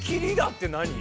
って何？